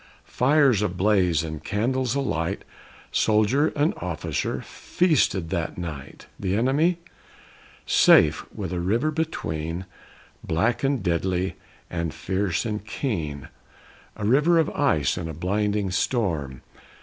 Fires ablaze and candles alight, Soldier and officer feasted that night. The enemy? Safe, with a river between, Black and deadly and fierce and keen; A river of ice and a blinding storm!